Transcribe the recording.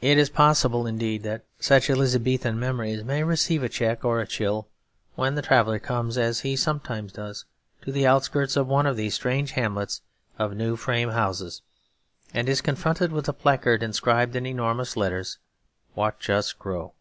It is possible indeed that such Elizabethan memories may receive a check or a chill when the traveller comes, as he sometimes does, to the outskirts of one of these strange hamlets of new frame houses, and is confronted with a placard inscribed in enormous letters, 'Watch Us Grow.'